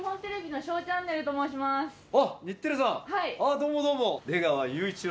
どうもどうも。